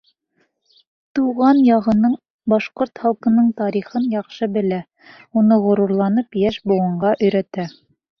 Тыуған яғының, башҡорт халҡының тарихын яҡшы белә, уны ғорурланып йәш быуынға өйрәтә.